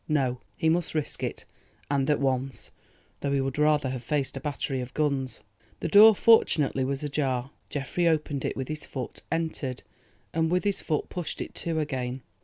No, he must risk it, and at once, though he would rather have faced a battery of guns. The door fortunately was ajar. Geoffrey opened it with his foot, entered, and with his foot pushed it to again.